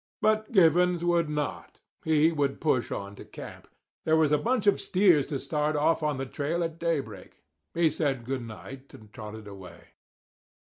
But Givens would not. He would push on to camp. There was a bunch of steers to start off on the trail at daybreak. He said good night, and trotted away.